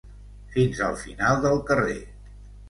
fins al final del carrer